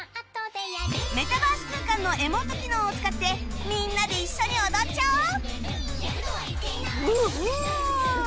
メタバース空間のエモート機能を使ってみんなで一緒に踊っちゃおう！